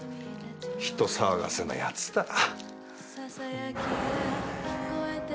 人騒がせなやつだな。